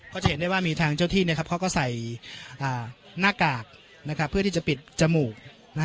ก็จะเห็นได้ว่ามีทางเจ้าที่เนี่ยครับเขาก็ใส่หน้ากากนะครับเพื่อที่จะปิดจมูกนะฮะ